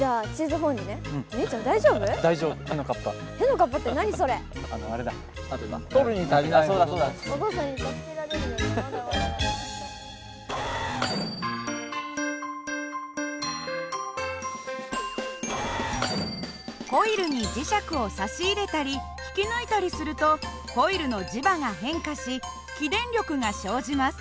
コイルに磁石を差し入れたり引き抜いたりするとコイルの磁場が変化し起電力が生じます。